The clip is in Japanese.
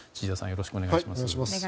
よろしくお願いします。